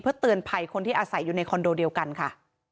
เพื่อเตือนภัยคนที่อาศัยอยู่ในคอนโดเดียวกันค่ะ